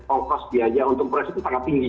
angkos biaya untuk polisi itu sangat tinggi